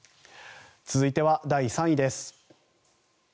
続いては第３位です。